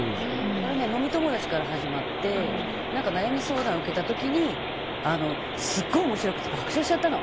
飲み友達から始まって悩み相談を受けた時にすごい面白くて爆笑しちゃったの。